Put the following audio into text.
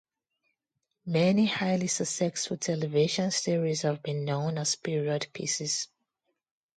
Many highly successful television series have been known as period pieces.